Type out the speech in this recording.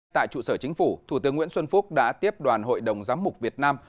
tại trụ sở chính phủ thủ tướng nguyễn xuân phúc đã tiếp đoàn hội đồng giám mục việt nam